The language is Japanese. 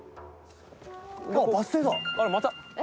また。